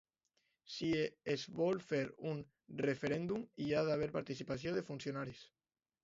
Si es vol fer un referèndum, hi ha d’haver participació de funcionaris.